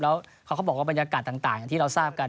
แล้วเขาก็บอกว่าบรรยากาศต่างอย่างที่เราทราบกัน